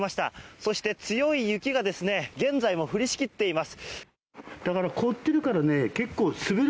そして強い雪が現在も降りしきっています。